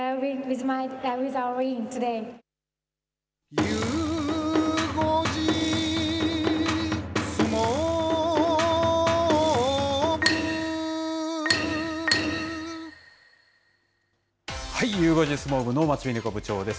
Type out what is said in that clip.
ゆう５時相撲部、能町みね子部長です。